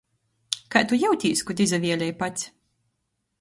Kai tu jiutīs, kod izavielej pats?